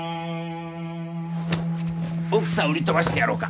奥さん売り飛ばしてやろうか？